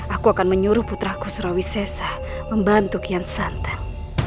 aku akan menyuruh putraku surawisesa membantu kian santan